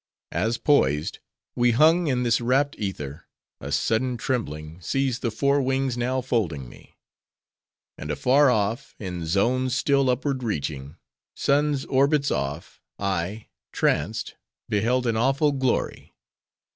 "As poised, we hung in this rapt ether, a sudden trembling seized the four wings now folding me. And afar of, in zones still upward reaching, suns' orbits off, I, tranced, beheld an awful glory.